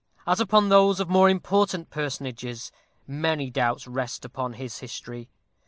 As upon those of more important personages, many doubts rest upon his history.